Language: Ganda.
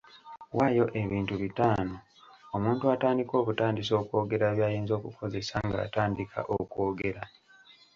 Waayo ebintu bitaano omuntu atandika obutandisi okwogera by’ayinza okukozesa ng’atandika okwogera.